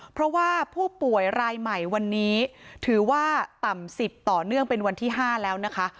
เพราะว่าผู้ป่วยรายใหม่วันนี้ถือว่าต่ำ๑๐ต่อเนื่องเป็นวันที่๕แล้วนะคะ